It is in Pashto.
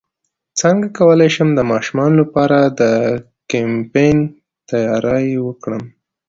څنګه کولی شم د ماشومانو لپاره د کیمپینګ تیاری وکړم